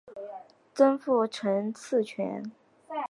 祖父陈赐全。